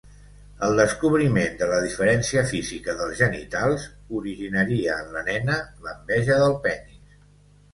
El descobriment de la diferència física dels genitals originaria en la nena l'enveja del penis.